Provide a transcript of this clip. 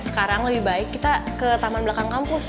sekarang lebih baik kita ke taman belakang kampus